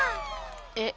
えっ。